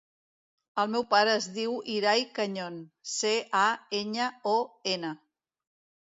El meu pare es diu Irai Cañon: ce, a, enya, o, ena.